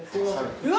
うわ！